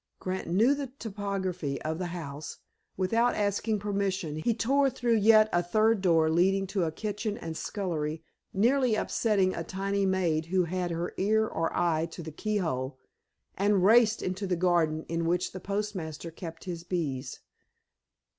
Grant knew the topography of the house. Without asking permission, he tore through yet a third door leading to a kitchen and scullery, nearly upsetting a tiny maid who had her ear or eye to the key hole, and raced into the garden in which the postmaster kept his bees.